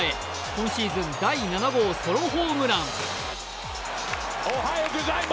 今シーズン第７号ソロホームラン。